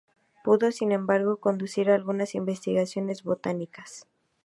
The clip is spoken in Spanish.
Pudo sin embargo conducir algunas investigaciones botánicas.